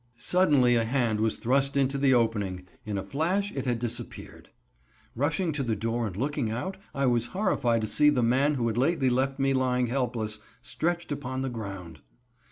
Suddenly a hand was thrust into the opening! In a flash it had disappeared. Rushing to the door and looking out I was horrified to see the man who had lately left me lying helpless, stretched upon the ground.